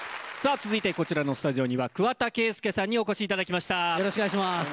続いてこちらのスタジオには桑田佳祐さんにお越しいただきました。